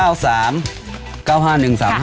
เวลา๑๙๐๓๙๕๑๓๕๔๙